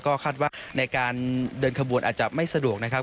ก็คาดว่าในการเดินขบวนอาจจะไม่สะดวกนะครับ